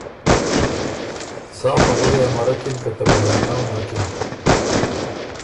سا خبُرئ امرکِن که ته بیانؤ نکِن۔